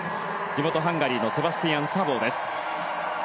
地元ハンガリーのセバスティアン・サボー。